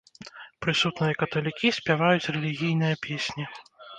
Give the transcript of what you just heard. Прысутныя каталікі спяваюць рэлігійныя песні.